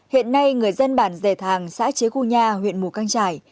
hiện nay người dân bản dề thàng xã chế cua nha huyện mù căng trải